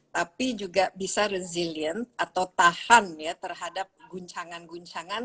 tapi juga bisa resilient atau tahan ya terhadap guncangan guncangan